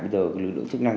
bây giờ lực lượng chức năng